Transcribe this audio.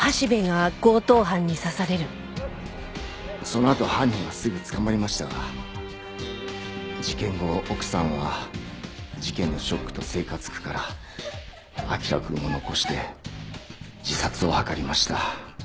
そのあと犯人はすぐ捕まりましたが事件後奥さんは事件のショックと生活苦から彰くんを残して自殺を図りました。